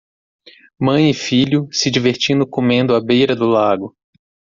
Mãe e filho se divertindo comendo à beira do lago.